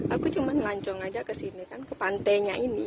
aku cuma melancong aja ke sini kan ke pantainya ini